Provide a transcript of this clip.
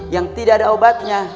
yang tidak ada obatnya